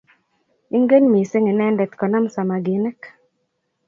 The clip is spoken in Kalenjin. ingen missing inendet konaam samaginik